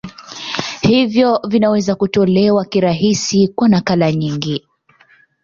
Hivyo vinaweza kutolewa kirahisi kwa nakala nyingi.